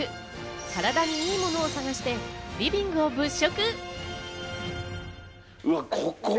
カラダにいいものを探してリビングを物色。